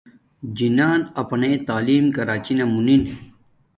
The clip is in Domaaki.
جناح اپانی تعیم کراچی نا مونن